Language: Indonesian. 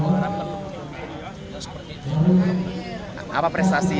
dan pak presiden soekarno saya di sini